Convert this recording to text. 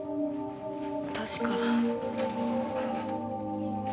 確か。